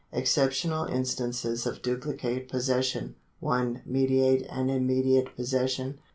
Exceptional instances of duplicate possession : 1. Mediate and immediate possession.